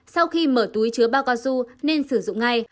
sau khi mở túi chứa bao cao su nên sử dụng ngay